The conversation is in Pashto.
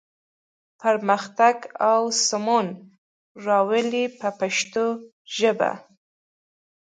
پرمختګ او سمون راولي په پښتو ژبه.